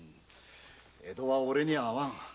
江戸はおれには合わん。